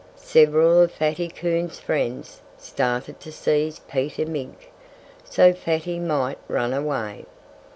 Several of Fatty Coon's friends started to seize Peter Mink, so Fatty might run away.